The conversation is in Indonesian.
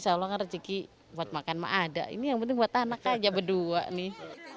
salam rezeki buat makan ma'ada ini yang penting buat anak aja berdua nih